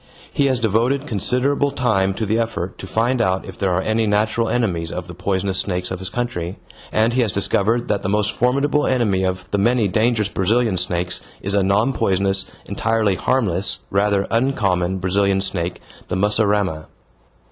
He has devoted considerable time to the effort to find out if there are any natural enemies of the poisonous snakes of his country, and he has discovered that the most formidable enemy of the many dangerous Brazilian snakes is a non poisonous, entirely harmless, rather uncommon Brazilian snake, the mussurama.